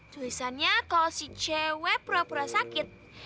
tulisannya kalau si cewek pura pura sakit